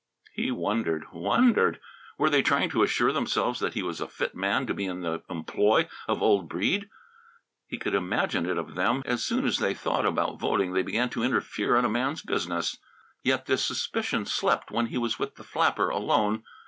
He wondered, wondered! Were they trying to assure themselves that he was a fit man to be in the employ of old Breede? He could imagine it of them; as soon as they thought about voting they began to interfere in a man's business. Yet this suspicion slept when he was with the flapper alone.